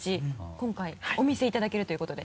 今回お見せいただけるということで。